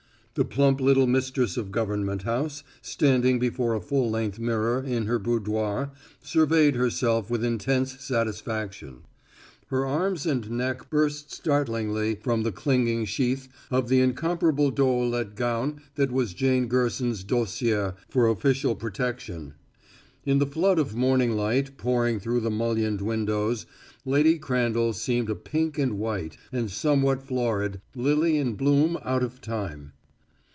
The plump little mistress of Government House, standing before a full length mirror, in her boudoir, surveyed herself with intense satisfaction. Her arms and neck burst startlingly from the clinging sheath of the incomparable Doeuillet gown that was Jane Gerson's douceur for official protection; in the flood of morning light pouring through the mullioned windows Lady Crandall seemed a pink and white and somewhat florid lily in bloom out of time.